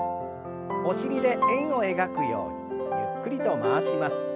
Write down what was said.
お尻で円を描くようにゆっくりと回します。